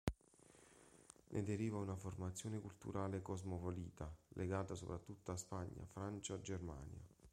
Ne deriva una formazione culturale cosmopolita, legata soprattutto a Spagna, Francia, Germania.